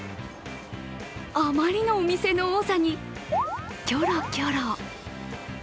あまりのお店の多さにキョロキョロ。